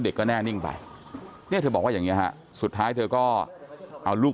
ก็แน่นิ่งไปเนี่ยเธอบอกว่าอย่างนี้ฮะสุดท้ายเธอก็เอาลูก